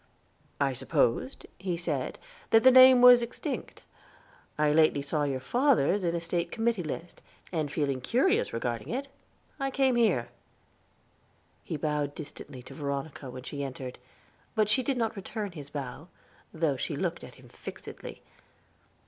"I supposed," he said, "that the name was extinct. I lately saw your father's in a State Committee List, and feeling curious regarding it, I came here." He bowed distantly to Veronica when she entered, but she did not return his bow, though she looked at him fixedly.